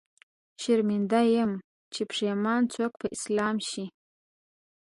شرمنده يم، چې پښېمان څوک په اسلام شي